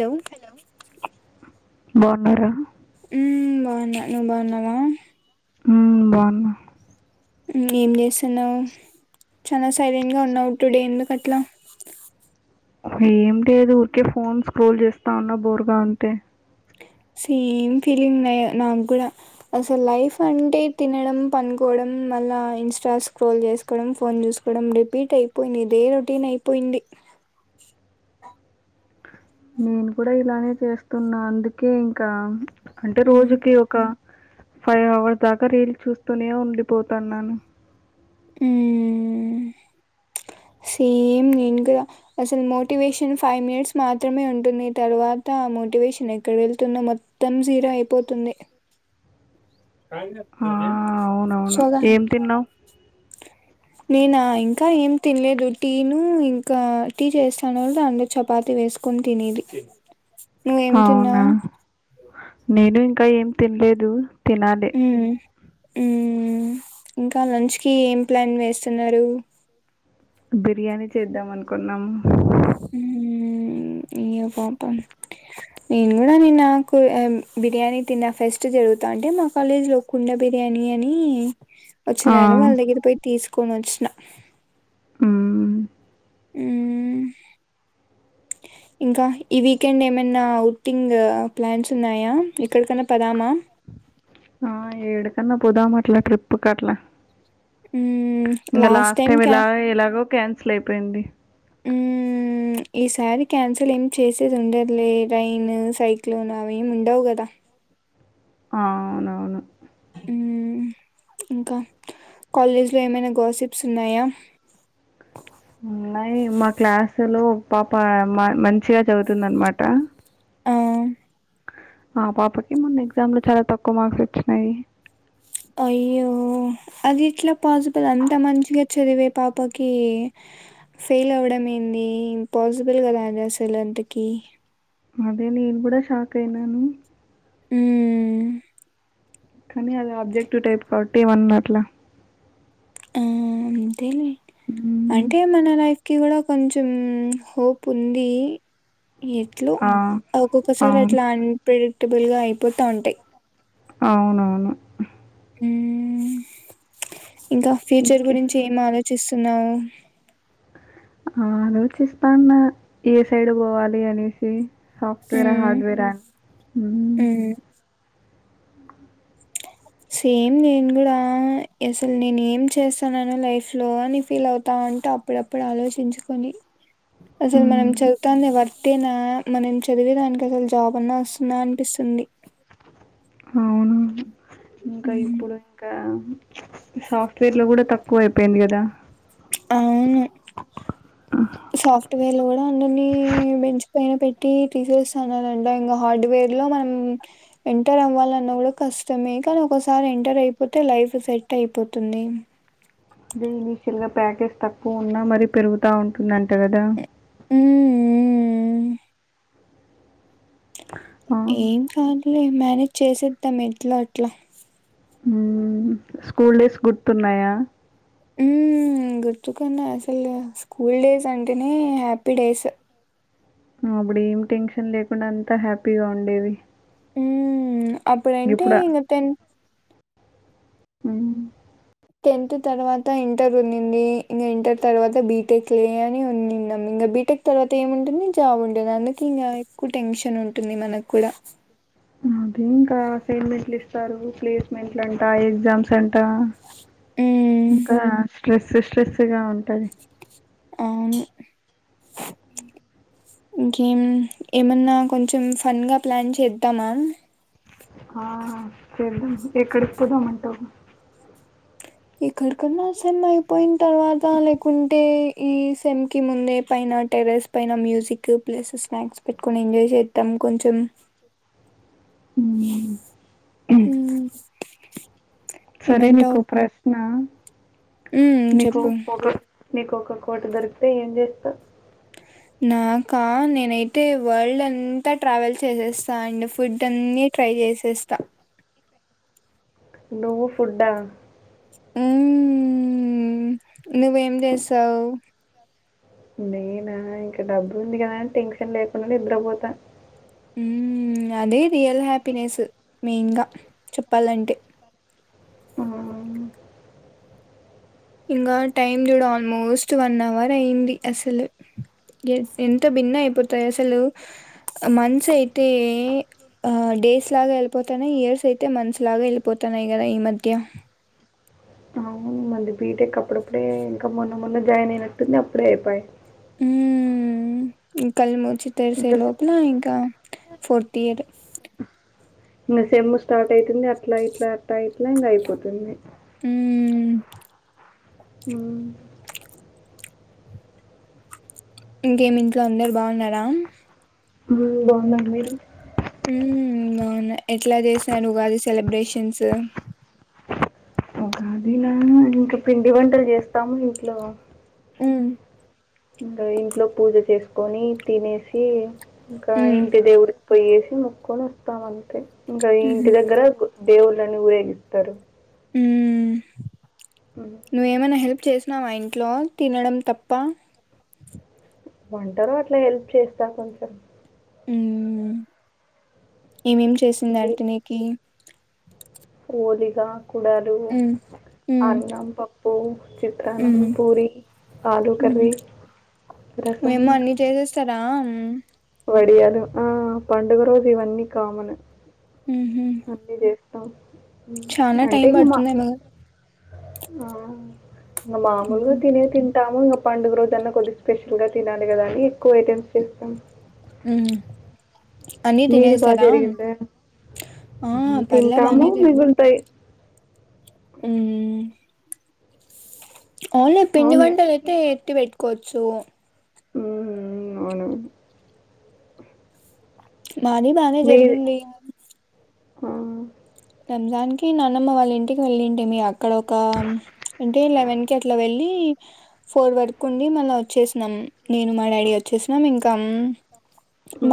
హో బాగున్నాడా మ్మ్ బావున్నా నువ్ బాన్నావా ఉమ్ బాగున్నా మ్ ఏం చేస్తున్నావు చాలా సైలెంట్ గా ఉన్నావు టుడే ఎందుకు అట్లా. హేంలేదు ఊరికే ఫోన్ స్క్రోల్ చేస్తా ఉన్నా బోర్ గా ఉంటే సేమ్ ఫీలింగ్ మే నాకు గూడా అసలు లైఫ్ అంటే తినడం, పనుకోవడం, మళ్ళా ఇంస్టా స్క్రోల్ చేసుకోవడం, ఫోన్ చూసుకోవడం రిపీట్ అయిపోయింది, ఇదే రొటీన్ అయిపోయింది. నేను కూడా ఇలానే చేస్తున్నా అందుకే ఇంకా అంటే ఉమ్, రోజుకి ఒక ఫైవ్ అవర్స్ దాకా రేలు చూస్తూనే ఉండిపోతాన్నాను మ్మ్ ప్చ్ సేమ్ నేను కూడా అసలు మోటివేషన్ ఫైవ్ మినిట్స్ మాత్రమే ఉంటుంది, తర్వాత మోటివేషన్ ఎక్కడ వెళ్తుందో మొత్తం జీరో అయిపోతుంది. ఆ, అవునవును సోగా ఏం తిన్నావు నేనా ఇంకా ఏం తినలేదు టీను ఇంకా టీ చేస్తాను వాళ్ళ దాంలో చపాతి వేసుకొని తినేది నువ్వేం అవునా తిన్నావు నేను ఇంకా ఏం తినలేదు తినాలి హ హమ్ ఇంకా లంచ్ కి ఏం ప్లాన్ వేస్తున్నారు బిర్యానీ చేద్దాం అనుకున్నాము ఇ్య పాప నేను కూడా నిన్నకు బిర్యానీ తిన్నా ఫస్ట్ జరుగుతా అంటే మా కాలేజీ లో కున్న బిర్యానీ అని వచ్చి ఆ, నను వాళ్ళ దగ్గర పోయి తీసుకొని వచ్చిన మ్మ్. ఇంకా ఈ వీకెండ్ ఏమైనా ఔటింగ్ ప్లాన్స్ ఉన్నాయా ఎక్కడికన్నా పదామా ఆ ఏడుకన్నా పోదాం అట్ల ట్రిప్పుకి అట్లా ఇంకా లాస్ట్ టైం ఎలా ఎలాగో క్యాన్ స్లిప్ అయిపోయింది ఈసారీ క్యాన్సల్ ఏమి చేసేది ఉండదులే ట్రైన్ సైక్లోన్ అవ ఏమి ఉండవు కదా ఆ అవునవును ఇంకా కాలేజ్లో ఏమైనా గసిప్స్ ఉన్నాయా ఉన్నాయి మా క్లాసు లో పాప మంచిగా చదువుతుంద అనమాట ఆ! ఆ పాపకి ముందు ఎగ్జామ్ లో చాలా తక్కువ మార్క్స్ వచ్చినాయి అయ్యో అది ఇట్లా పాసిబుల్ అంత మంచిగా చదివే పాపకి ఫెయిల్ అవడం ఏంది ఇం పాసిబుల్ కదా అది అసలు అంతక అదే నేను కూడా షాక్ అయినాను హమ్ కానీ అద ఆబ్జెక్టివ్ టైప్ కాబట్టి ఏమన్నట్లా ఆ అంతేనే మ్మ్ అంటే మన లైఫ్ కి కూడా కొంచెం హోప్ ఉంది ఎట్లు ఆ ఓకే. ఒక్కొక్కసారి అవును అట్లా అన్పడి అటబుల్గా అయిపోతూ ఉంటాయి అవునవును మ్మ్ ఇంకా ఫ్యూచర్ ఇంకే గురించి ఫ్యూచర్ ఏం ఆలోచిస్తుంది నవు ఆ ఆలోచిస్తాన్న ఏ సైడ్ పోవాలి అనేసి సాఫట్వేర్ మ్మ్ హార్డ్వేర్ హా మ్మ్ సేమ్ నేను కూడా అసలు నేను ఏం చేస్తాన్నాను లైఫ్ లో అని ఫీల్ అవుతా అంటూ అప్పుడప్పుడు ఆలోచించుకొని అసలు మనం మ్మ్ చదువుతంది వర్తేనా మనం చదివేదానికి జాబన్నా వస్తుందా అనిపిస్తుంది అవును ఇంకా మ్మ్ ఇప్పుడు ఇంకా సాఫ్ట్వేర్ లో కూడా తక్కువ పోయ పయింది కదా అవును సాఫ్ట్వేర్లు కూడా అందరినీ పెంచు పైన పెట్టి తీసేస్తున్నానంట ఇంకా హార్డ్వేర్ లో మనం ఎంటర్ అవ్వాలన్నా కూడా కష్టమే కానీ ఒకసారి ఎంటర్ అయిపోతే లైఫ్ సెట్ అయిపోతుంది అదే ఇనీషియల్ గా ప్యాకేజ్ తక్కువ ఉన్నా మరి పెరుగుతా ఉంటుందండి ఇంటదా అ ఆ ఏం కాలే మేనేజ్ చేసేద్దాం ఎంట్లో అట్లా స్కూల్ డేస్ గుర్తున్నాయా ఉ గుర్తుకున్నా అసలు స్కూల్ డేస్ అంటేనే హ్యాపీ డేస్ అప్పుడు ఏం టెన్షన్ లేకుండా అంతా హ్యాపీగా ఉండేవి ఉ అప్పుడు ఏంట ఇప్పుడు ఇక తెన్ ఆ టెన్త్ తర్వాత ఇంటర్ ఉన్నింది ఇంకా ఇంటర్ తర్వాత బీటెక్ లే అని ఉన్నింద ఇంకా బీటెక్ తర్వాత ఏముంటుంది జాబ్ ఉంటుంది అందుకు ఇంకా ఎక్కువ టెన్షన్ ఉంటుంది మనకు కూడా అదే ఇంకా అసైన్మెంట్లు ఇస్తారు ప్లేస్మెంట్లు అంటా ఎగ్జామ్స్ అంట హ్మ్. ఇకా స్ట్రెస్ స్ట్రెస్ గా ఉంటుంది అ ఇంకేమ్ ఏమన్నా కొంచెం ఫన్గా ప్లాన్ చేద్దామా ఆ చేద్దాం ఎక్కడికి పోదామంటా ఎక్కడ్ కన్నా వస్తన్నా పోయిన తర్వాత లేకుంటే ఈ సేమ్ కి ముందే పైన, టెరెస్ పైన, మ్యూజిక్ ప్లేసెస్, స్నాక్స్, పెట్టుకొని ఎంజాయ్ చేద్దాం. కొంచెం మ్ హ్మ్ సరే ఏమంటావు నీకు ప్రశ్న ఉమ్ మీకు చెప్పు ఒక నీకు ఒక కోటీ దొరికితే ఏం జెతావ్ నాకా నేనైతే వరల్డ్ అంతా ట్రావెల్ చేసేస్తా, అండ్ ఫుడ్ అన్ని ట్రై చేసేస్తా. నువ్వు ఫుడ్డ ఉమ్ నువ్వేం చేస్తావ్ నేనా ఇంక డబ్బు ఉంది కదా అని, టెన్షన్ లేకుండా నిద్రపోతా. హ్మ్ అదే రియల్ హ్యాపీనెస్ మెయిన్గా చెప్పాలంటే [unintelligible] ఇంకా టైమ్ చూడ ఆల్మోస్ట్ వన్ అవర్ అయింది. అసలు ఎ ఎంత భిన్న అయిపోతాయి అసలు మంత్స్ అయితే ఆ డేస్ లాగా వెళ్ళిపోతాన్నాయి. ఇయర్స్ అయితే మంత్స్ లాగా వెళ్ళిపోతాన్నాయి కదా ఈ మధ్య అవును మంది బీటెక్ అప్పుడప్పుడే ఇంకా మొన్న మొన్న జాయిన్ అయినట్టుంది. అప్పుడే అయిపోయాయ్ హ్మ్ కల్ముర్ చి తెల్సే ఇంకా సె- లోపల ఇంకా ఫోర్త్ ఇయర్ ఈ సేమ్ము స్టార్ట్ అయితుంది అట్లా ఇట్లా టైపింగ్ అయ్పోతుంది మ్మ్ హ్మ్ ఇంకేమి ఇంట్లో అందరు బాగున్నారా ఓ బాగున్నా మీరు ఉమ్ అవునా ఎట్లా చేసినాను ఉగాది సెలబ్రేషన్స్ కాదనా ఇంకా పిండి వంటలు చేస్తాము ఇంట్లో హ్మ్ ఇంకా ఇంట్లో పూజ చేసుకొని తినేసి ఇంకా మ్మ్ ఇంటి దేవురికి పోయేసి ఇక్ మోక్కోన్ వాతం అంతే ఇంకా మ్హూ ఇంటి దగ్గర గు దేవుళ్ళని ఊరేగితారు హ్మ్ ఉమ్. నువ్ ఏమనా హెల్ప్ చేస్ ఉన్నావా ఇంట్లో తినడం తప్ప వంటల్లు అట్లా హెల్ప్ చేస్తా కొంచెం హ్మ్ ఏమేం చేసింది ఇవి అంట నీకి పోలిగా కూడాలు, మ్మ్ మ్మ్ అన్నం, పప్పు, చిత్రాన్నం, మ్మ్ పూరి, ఆలు, ఉహు. కర్రీ, రసం. అ వడియాల ఆ పండుగ రోజు ఇవన్నీ కామన్ ఆమ్ త్త చనా టైం పడుతుంది మగ ఆ మాముూలు ఉహు. తినే తింత తంటాము ఇంకా పండుగ రోజన్నా కొద్ది స్పెషల్ గా తినాలి కదా అని ఎక్కువ ఐటెమ్స్ చేస్తాం హమ్ మీది బాగా జరిగిందా ఆ పర్లే తింటాము బానే మిగుంటాయి అ ఓన్లీ పిండి అవును వంటలు అయితే ఎత్తి పెట్టుకోవచ్చు ఉ అవున మానీ బానే జరిగింది ఆ రంజానికి నాన్నమ్ వాళ్ళ ఇంటికి వెళ్ళింటేమ అక్క అక్కడ ఒక అంటే లెవెన్ కి అట్లా వెళ్ళి ఫోర్ వర ఉండి మళ్ళా వచ్చేసినాం నేను మా డాడీ వచ్చేసినాం ఇంకా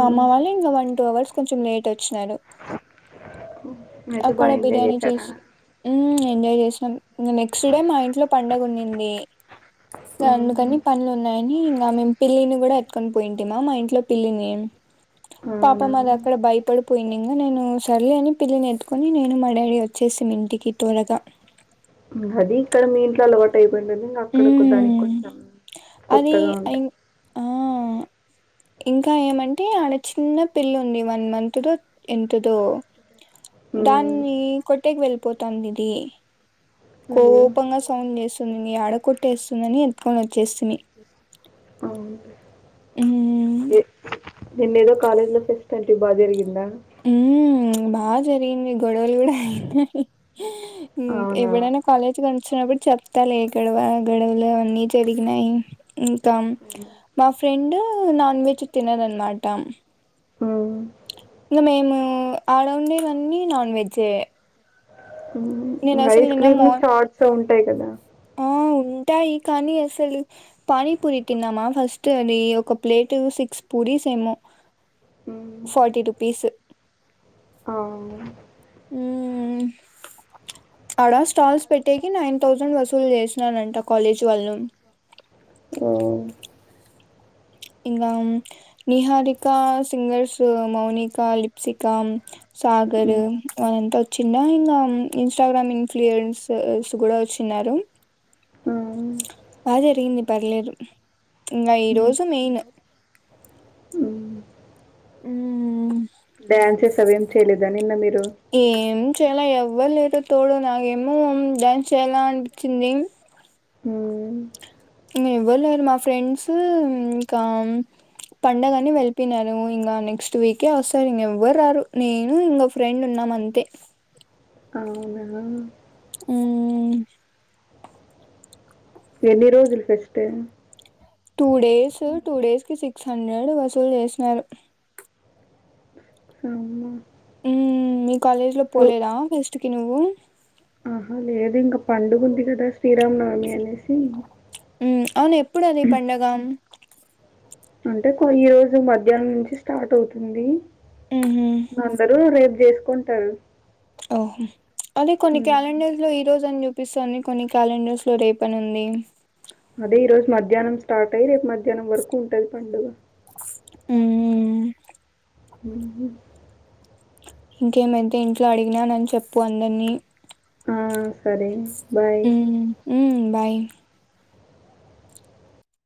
మామ వాళ్ళ ఇంకా వన్ టూ అవర్స్ కొంచెం లేట్ అ వచ్చినాడు అయితే అక్కడ బాగా ఎంజాయ్ బిర్యానీ చేశారా చేసి ఎంజాయ్ చేసినాం ఇంక నెక్స్ట్ డే మా ఇంట్లో పండగ ఉన్నింది ఉమ్, అందుకని పనులు ఉన్నాయని ఇంకా మేము పిళ్లిని కూడా యి ఇంట్లో పి పాప అవునా అక్కడ భయపడిపోయింది నే సలే కని నేను మా డైడీ వచ్చేసి ఇంటికి తూరగా అది ఇక్కడ మీ ఇంట్లో అలవాటుయింది ది ఇంకా అక్కడ దానికి మ్మ్ కొంచెం అది కొత్తగా ఉంటాయి ఇం ఆ ఇంకా ఏమంటే ఆడ చిన్న పిల్ల ఉంది వన్ మంత్ దో ఎంతదో ఉమ్, దాన్ని కొట్టకి వెళ్ల్ పోతుందిది అయ్యో కోపంగా సౌండ్ చేస్తుంది న ఆడ కొట్టేస్తుందని ఎకోచ్చు అవు మ్మ్ ఏ నేన్న ఏదో కాలేజ్ లో ఫెస్ట్ అంటే బాగా జరిగిందా బాగా సరంది గడలుగుడయి అవునా ఎవరన్న కలేజ్ క వ చెప్తారూ గడవ గడవలు అన్నీ జరిగినాయి ఇంకా మా ఫ్రెండ్ నాన్ వెజ్ తినదనమాట ఆ ఇకా మేము ఆడౌండేవన్నీ నాన్ వెజే ఐస్ క్రీమ్లు మార్ చార్ట్స్ ఉంటాయి కదా ఆ ఉంటాయి, కానీ అసలు పానీపూరి తిన్నామా ఫస్ట్ అది ఒక ప్లేటు సిక్స్ పూరీస్ ఏమో ఉమ్ ఫార్టీ రుపీస్. ఆ ఆడ స్టాల్స్ పెట్టేకి నైన్ థౌసండ్ వసూలు చేసి నారంట కాలేజీ వాళ్ళు. [inaudible] ఇంగా నిహారికా, సింగర్స్ మౌనికా, లిప్సికా, సాగర్, అనంత్ వచిండా ఇంగా ఇన్స్టాగ్రామ్ ఇన్ఫ్లూయన్సర్స్ కూడా వచ్చిన్నారు. ఆ బా జరిగింది పర్లేదు ఇంగా ఈ ఉమ్ రోజు మెయిన్ మ్మ్. డ్యాన్స్ స్ అవేం చేయలేదా నిన్న మీరు. ఏం చేయాల ఎవ్వరు లేరు తోడు నాగేమో డ్యాన్స్ చేయాలా అనిపించింది. హ్ ఇంగ ఎవ్వరు లేరు మా ఫ్రెండ్స్ ఇంకా పండగని వెళపియనారు, ఇంకా నెక్స్ట్ వీకే వస్తారు. ఇంక ఎవ్వరు రారు నేను ఇంగో ఫ్రెండ్ ఉన్నాం అంతే. అవునా. హు ఎన్ని రోజులు fest. Two days two days కి సి క్స్ హండ్రెడ్ వసూలు చేసినారు. అవునా ఉ మీ కాలేజ్ లో పోలేదా ఫెస్ట్ కి నువ్వు ఆహా లేదు ఇంకా పండుగ ఉంది కదా శ్రీరామ నవమి అనేసి అవును ఎప్పుడు అది పండగ. అంటే ఈ రోజు మధ్యాహ్నం నుంచి స్టార్ట్ అవుతుంది. మ్హూ అందరూ రేపు చేసు కుంటరు. ఓహో అదే కొన్ని క్యాలెండర్ లో ఈ రోజు ని చూపి స్తుంది కొన్ని క్యాలెండర్స్లో రేపని ఉంది. అదే ఈ రోజు మధ్యాహ్నం స్టార్ట్ అయి రేపు మధ్యాహ్నం వరకు ఉంటది పండుగ. ఊ ఉహ్ ఇంకేమైతే ఇంట్లో అడిగినానని చెప్పు అందరినీ. ఆ సరే. బాయ్. మ్మ్ మ్మ్ బాయ్